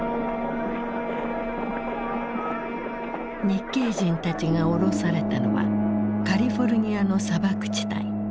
日系人たちが降ろされたのはカリフォルニアの砂漠地帯。